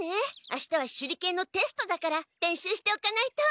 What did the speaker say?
あしたは手裏剣のテストだから練習しておかないと。